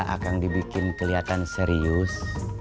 akang dibikin keliatan serius